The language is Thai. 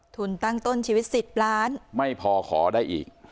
ทุนตั้งต้นชีวิต๑๐ล้านไม่พอขอได้อีก